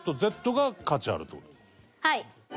はい。